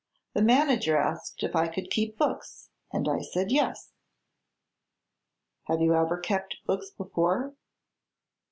The manager asked if I could keep books, and I said yes." "Have you ever kept books before?"